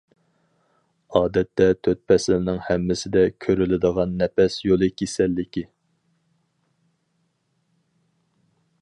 ئادەتتە تۆت پەسىلنىڭ ھەممىسىدە كۆرۈلىدىغان نەپەس يولى كېسەللىكى.